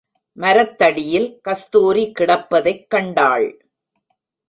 மரத்தடியில் கஸ்தூரி கிடப்பதைக் கண்டாள்.